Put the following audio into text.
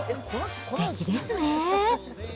すてきですね。